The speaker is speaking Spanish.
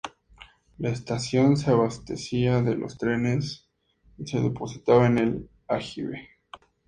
La estación se abastecía de los trenes y se depositaba en el aljibe.